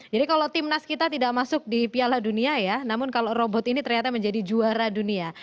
jadi kalau tim nas kita tidak masuk di piala dunia ya namun kalau robot ini ternyata menjadi juara dunia